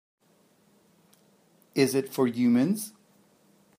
Is it for humans?